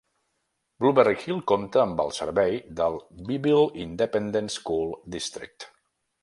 Blueberry Hill compte amb el servei del Beeville Independent School District.